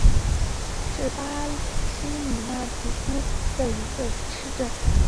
帕拉河畔圣贡萨洛是巴西米纳斯吉拉斯州的一个市镇。